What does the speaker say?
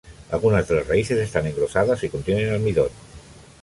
Algunas de las raíces están engrosadas y contienen almidón.